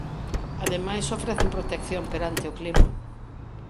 Ademais ofrecen protección perante o clima.